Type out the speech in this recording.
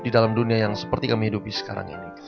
di dalam dunia yang seperti kami hidupi sekarang ini